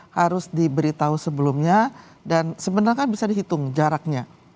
harus diberitahu sebelumnya dan sebenarnya kan bisa dihitung jaraknya